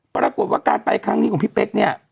ปรากฏว่าการไปครั้งนี้ของพี่เป๊กเนี่ย